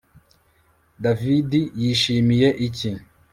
David yishimiye iki